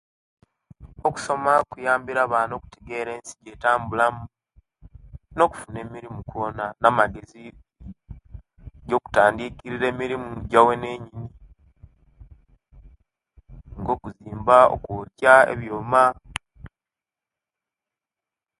Okusoma kuyambire abana okutegera ensi engeri gjetambula mu no okufuna emirimu kwoona na amagezi jokutandikira emirimu ja bulinyin nga okuzimba, okwokya ebyooma